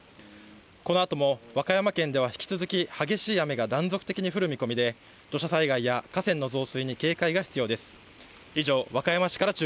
このあとも和歌山県では引き続き激しい雨が断続的に降る見込みで、土砂災害や河川の増水に警戒が必要です。